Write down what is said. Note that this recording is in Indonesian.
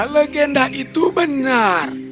legenda itu benar